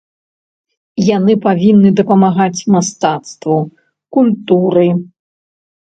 Яны павінны дапамагаць мастацтву, культуры.